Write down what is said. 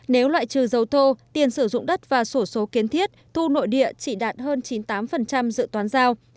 nếu loại trừ dầu thô tiền sử dụng đất và sổ số kiến thiết thu nội địa chỉ đạt hơn chín mươi tám dự toán giao